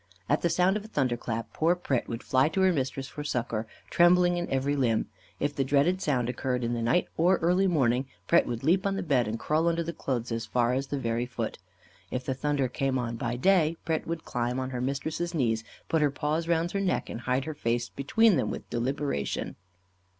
At the sound of a thunderclap poor Pret would fly to her mistress for succour, trembling in every limb. If the dreaded sound occurred in the night or early morning, Pret would leap on the bed and crawl under the clothes as far as the very foot. If the thunder came on by day, Pret would climb on her mistress's knees, put her paws round her neck and hide her face between them with deliberation.